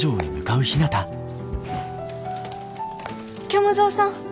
・虚無蔵さん。